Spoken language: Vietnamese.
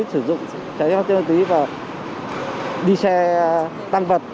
sử dụng cháy pháp trên mô tí và đi xe tăng vật